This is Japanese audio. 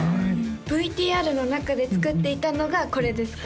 ＶＴＲの中で作っていたのがこれですか？